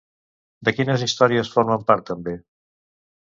De quines històries formen part també?